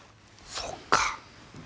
そっか。